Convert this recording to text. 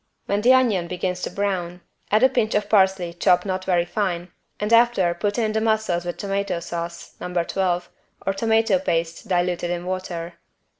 When the onion begins to brown add a pinch of parsley chopped not very fine and after put in the mussels with tomato sauce (No. 12) or tomato paste diluted in water.